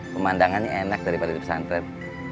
pemandangannya enak daripada di pesantren